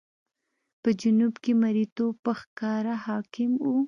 په جنوب کې مریتوب په ښکاره حاکم و.